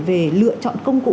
về lựa chọn công cụ